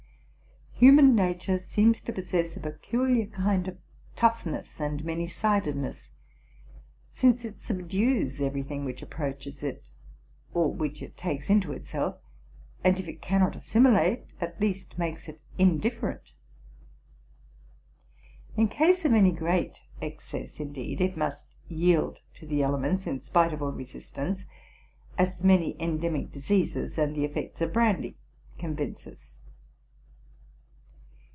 Human nature appears to possess a peculiar kind of toughness and many sidedness, since it subdues every thing which approaches it, or which it takes into itself, and, if it cannot assimilate, at least makes it indifferent. In case of any great excess, indeed, it must yield to the elements in spite of all resistance, as the many endemic diseases and the effects of brandy convince us.